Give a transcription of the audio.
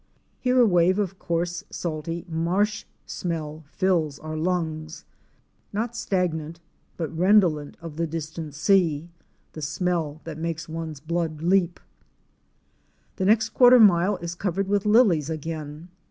Here a wave of coarse, salty, marsh smell fills our lungs — not stagnant, but redolent of the distant sea; the smell that makes one's blood leap. The next quarter mile is covered with lilies again.